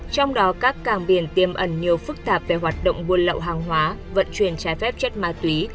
trong đó các cảng biển tiêm ẩn nhiều phức tạp về hoạt động buôn lậu hàng hóa vận chuyển trái phép chất ma túy